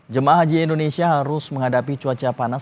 jemaah haji indonesia harus menghadapi cuaca panas